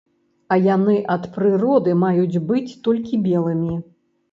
А яны ад прыроды маюць быць толькі белымі.